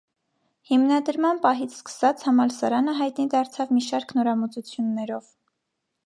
Հիմնադրման պահից սկսած՝ համալսարանը հայտնի դարձավ մի շարք նորամուծություններով։